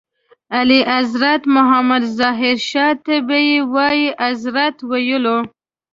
اعلیحضرت محمد ظاهر شاه ته به یې وایي اذرت ویلو.